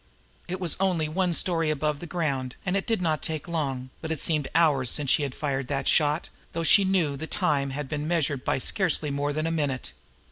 It was only one story above the ground, and it did not take long; but it seemed hours since she had fired that shot, though she knew the time had been measured by scarcely more than a minute.